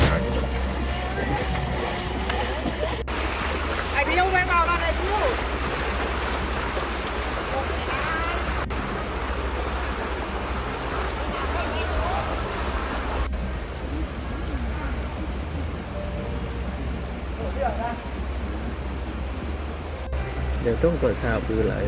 เมื่อเวลาอันดับสุดท้ายมันกลายเป็นภูมิที่สุดท้าย